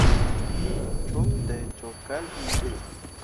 Cum dai cok kal bi be.